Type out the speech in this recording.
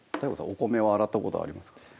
お米を洗ったことありますか？